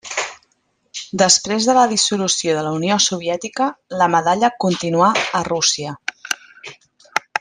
Després de la dissolució de la Unió Soviètica, la medalla continuà a Rússia.